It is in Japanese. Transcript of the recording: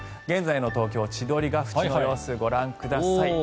現在の東京・千鳥ヶ淵の様子ご覧ください。